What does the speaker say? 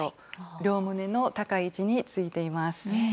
両胸の高い位置についています。